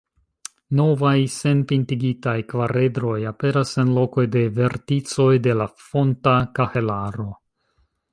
Novaj senpintigitaj kvaredroj aperas en lokoj de verticoj de la fonta kahelaro.